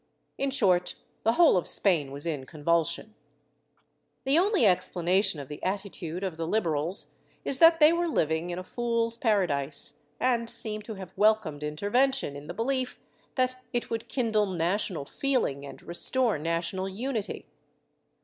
In short, the whole of Spain was in convulsion/ The only explanation of the attitude of the Liberals is that they were living in a fool's paradise, and seem to have welcomed inter vention in the belief that it would kindle national feeling and restore national unity.